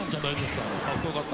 かっこよかった。